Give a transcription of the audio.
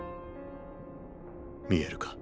見えるか？